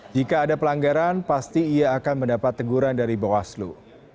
jika ada pelanggaran pasti ia akan mendapat teguran dari bawaslu